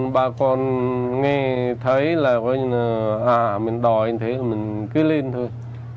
bà con nghe thấy là à mình đòi như thế mình cứ lên thôi